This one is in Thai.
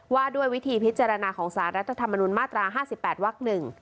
ว่าด้วยวิธีพิจารณาของสารรัฐธรรมนุนมาตรา๕๘วัก๑